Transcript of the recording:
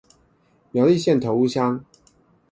苗栗縣頭屋鄉